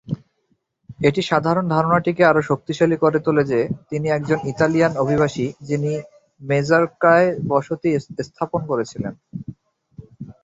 এটি সাধারণ ধারণাটিকে আরও শক্তিশালী করে তোলে যে তিনি একজন ইতালিয়ান অভিবাসী যিনি মেজর্কায় বসতি স্থাপন করেছিলেন।